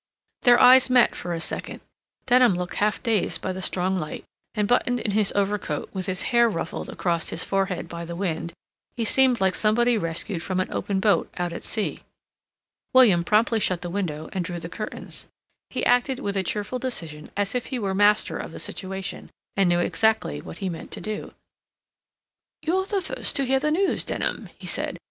Their eyes met for a second. Denham looked half dazed by the strong light, and, buttoned in his overcoat, with his hair ruffled across his forehead by the wind, he seemed like somebody rescued from an open boat out at sea. William promptly shut the window and drew the curtains. He acted with a cheerful decision as if he were master of the situation, and knew exactly what he meant to do. "You're the first to hear the news, Denham," he said.